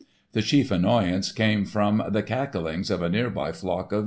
The chief annoyance came from the cacklings of a nearby flock of geese.